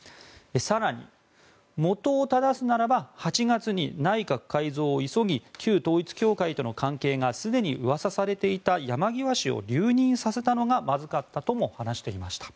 更にもとを正すならば８月に内閣改造を急ぎ旧統一教会との関係がすでにうわさされていた山際氏を留任させたのがまずかったとも話していました。